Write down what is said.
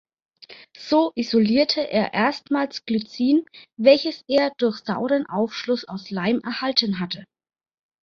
So isolierte er erstmals Glycin, welches er durch sauren Aufschluss aus Leim erhalten hatte.